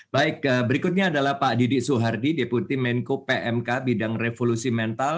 baik berikutnya adalah pak didik suhardi deputi menko pmk bidang revolusi mental